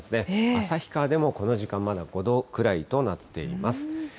旭川でもこの時間まだ５度くらいとなっています。